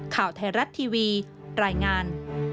ข่าวไทยรัฐทีวีรายงาน